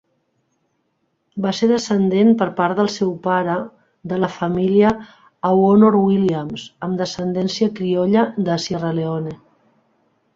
Va ser descendent, per part del seu pare, de la família Awoonor-Williams amb descendència criolla de Sierra Leone.